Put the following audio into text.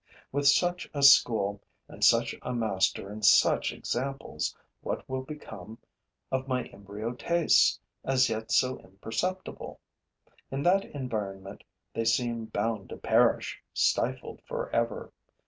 With such a school and such a master and such examples, what will become of my embryo tastes, as yet so imperceptible? In that environment, they seem bound to perish, stifled for ever.